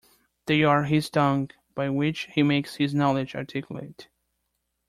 They are his tongue, by which he makes his knowledge articulate.